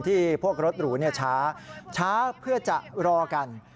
ที่พวกรถหรูช้าช้าเพื่อจะรอกัน